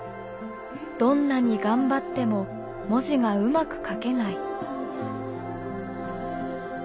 どんなに頑張っても文字がうまく書けない。